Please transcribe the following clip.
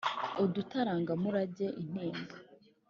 Udutaranga murage intimba